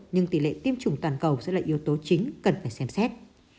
nhưng tỷ lệ tiêm chủng toàn cầu sẽ là yếu tố chính cần phải xem xét